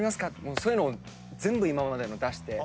そういうのを全部今までの出して。